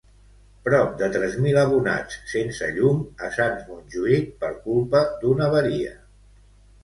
Prop de tres mil abonats sense llum a Sants-Montjuïc per culpa d'una avaria.